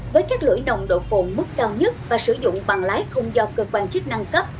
với các lưỡi nồng độ phồn mức cao nhất và sử dụng băng lái không do cơ quan chức năng cấp